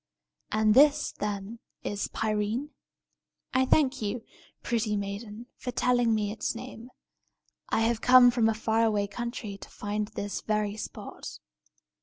And this, then, is Pirene? I thank you, pretty maiden, for telling me its name. I have come from a far away country to find this very spot."